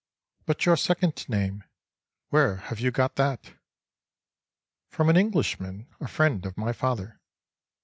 —"But your second name, where have you got that?"—"From an Englishman, a friend of my father."